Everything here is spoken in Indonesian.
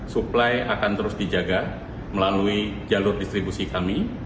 supply akan terus dijaga melalui jalur distribusi kami